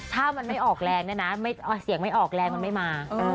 ถ้ามันไม่ออกแรงนะเสียงไม่ออกแล้วไม่มา